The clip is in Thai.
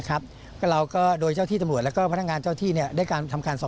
เราก็โดยเจ้าที่ตำรวจและพนักงานเจ้าที่ได้ทำการสอบโสดในเรืองต้นแล้ว